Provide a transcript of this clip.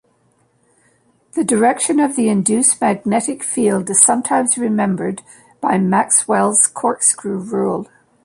The direction of the induced magnetic field is sometimes remembered by "Maxwell's corkscrew rule".